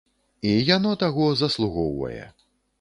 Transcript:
І яно таго заслугоўвае.